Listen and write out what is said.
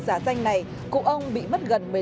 giả danh này cụ ông bị mất gần